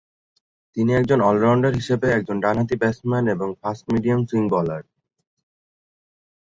তিনি একজন অলরাউন্ডার হিসাবে একজন ডানহাতি ব্যাটসম্যান এবং ফাস্ট মিডিয়াম সুইং বোলার।